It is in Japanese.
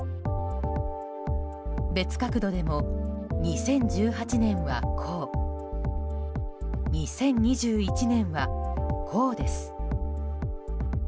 別角度でも２０１８年はこう２０２１年は、こうです。